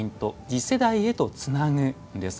「次世代へとつなぐ」です。